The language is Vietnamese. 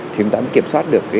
thì chúng ta mới kiểm soát được